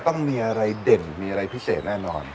ต้องมีอะไรเด่นมีอะไรพิเศษแน่นอน